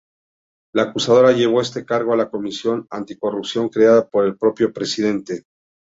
La acusadora llevó este cargo a la Comisión Anticorrupción creada por el propio presidente.